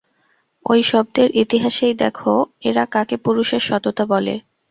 ঐ শব্দের ইতিহাসেই দেখ, এরা কাকে পুরুষের সততা বলে।